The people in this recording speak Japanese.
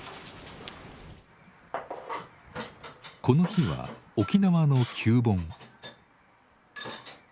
この日は沖縄の旧盆。